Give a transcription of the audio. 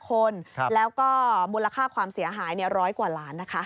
คนแล้วก็มูลค่าความเสียหาย๑๐๐กว่าล้านนะคะ